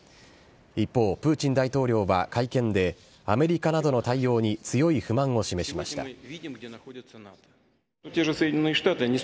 一方、プーチン大統領は会見で、アメリカなどの対応に強い不満を示しました。